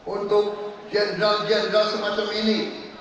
untuk jenderal jenderal semacam ini